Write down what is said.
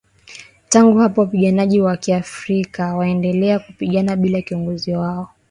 Tangu hapo wapiganaji wa Kiafrika waliendelea kupigana bila kiongozi wao